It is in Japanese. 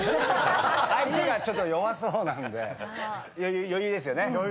相手がちょっと弱そうなんで余裕ですよね。